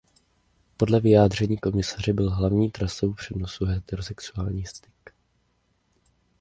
Podle vyjádření komisaře byl hlavní trasou přenosu heterosexuální styk.